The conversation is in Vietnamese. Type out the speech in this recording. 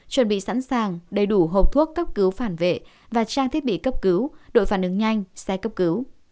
chuẩn bị sẵn sàng đầy đủ hộp thuốc cấp cứu phản vệ và trang thiết bị cấp cứu đội phản ứng nhanh xe cấp cứu